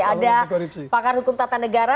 ada pakar hukum tata negara